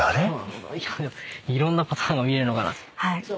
いろんなパターンが見れるのかな。